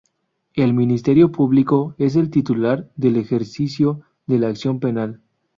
El Ministerio Público es el titular del ejercicio de la acción penal.